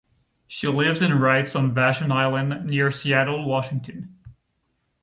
She lives and writes on Vashon Island near Seattle, Washington.